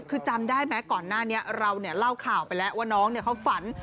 คือจำได้ไหมก่อนหน้านี้เราเล่าข่าวไปแล้วว่าน้องเขาฝัน